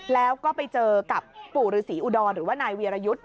แล้วก็ไปเจอกับปู่ฤษีอุดรหรือว่านายวีรยุทธ์